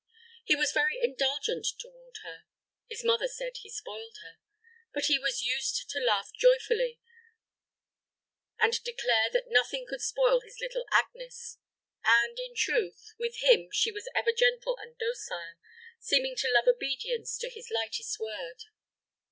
He was very indulgent toward her. His mother said he spoiled her. But he used to laugh joyfully, and declare that nothing could spoil his little Agnes; and, in truth, with him she was ever gentle and docile, seeming to love obedience to his lightest word.